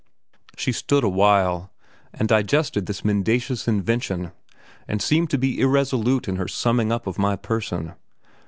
She stood awhile and digested this mendacious invention and seemed to be irresolute in her summing up of my person.